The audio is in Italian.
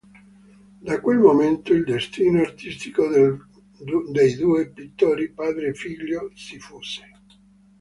Da quel momento, il destino artistico dei due pittori, padre e figlio, si fuse.